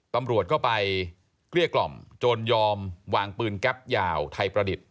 ตำรวจก็ไปเกลี้ยกล่อมจนยอมวางปืนแก๊ปยาวไทยประดิษฐ์